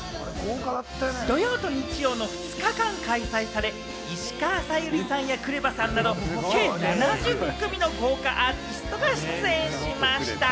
土曜と日曜の２日間開催され、石川さゆりさんやＫＲＥＶＡさんなど計７０組の豪華アーティストが出演しました。